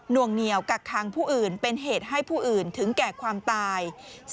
วงเหนียวกักคังผู้อื่นเป็นเหตุให้ผู้อื่นถึงแก่ความตาย